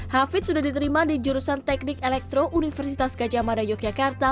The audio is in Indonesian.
hafid sudah diterima di jurusan teknik elektro universitas gajah mada yogyakarta